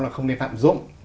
là không nên lạm dụng